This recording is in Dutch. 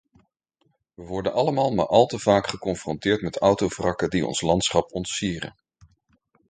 We worden allemaal maar al te vaak geconfronteerd met autowrakken die ons landschap ontsieren.